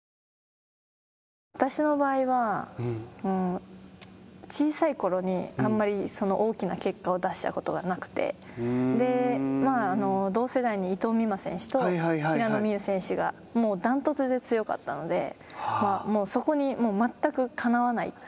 私の場合は、小さいころにあんまり大きな結果を出したことがなくて、同世代に伊藤美誠選手と平野美宇選手がもう断トツで強かったので、そこに全くかなわない。